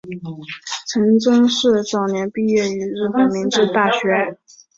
陈曾栻早年毕业于日本明治大学。